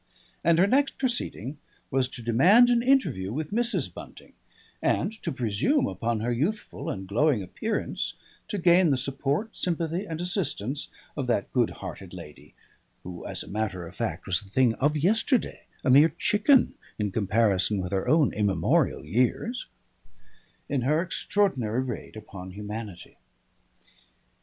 And her next proceeding was to demand an interview with Mrs. Bunting and to presume upon her youthful and glowing appearance to gain the support, sympathy and assistance of that good hearted lady (who as a matter of fact was a thing of yesterday, a mere chicken in comparison with her own immemorial years) in her extraordinary raid upon Humanity.